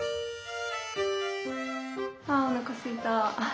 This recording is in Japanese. あおなかすいた。